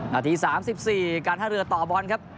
นาทีสามสิบสี่การห้าเรือตอบบนครับ